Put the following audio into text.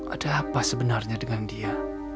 ada apa sebenarnya dengan dia